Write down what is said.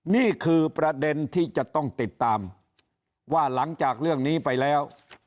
นี่คือประเด็นที่จะต้องติดตามว่าหลังจากเรื่องนี้ไปแล้ว